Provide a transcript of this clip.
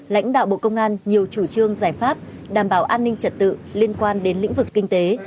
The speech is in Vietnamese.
lãnh đạo bộ công an nhiều chủ trương giải pháp đảm bảo an ninh trật tự liên quan đến lĩnh vực kinh tế